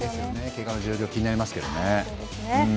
けがの状況が気になりますよね。